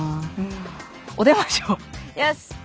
よし！